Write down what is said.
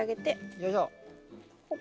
よいしょ！